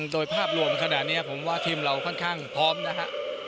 โดยภาพรวมขนาดนี้ผมว่าทีมเราค่อนข้างพร้อมนะฮะ